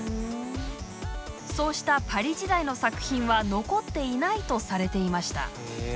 そうしたパリ時代の作品は残っていないとされていました。